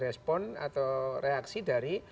respon atau reaksi dari